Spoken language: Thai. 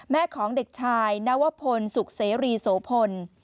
แม่ของเด็กชายนวพลสุขเสรีโสพล